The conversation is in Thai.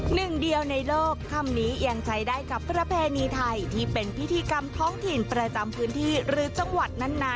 หนึ่งเดียวในโลกคำนี้ยังใช้ได้กับประเพณีไทยที่เป็นพิธีกรรมท้องถิ่นประจำพื้นที่หรือจังหวัดนั้นนะ